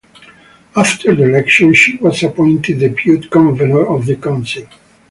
After the election she was appointed depute convenor of the Council.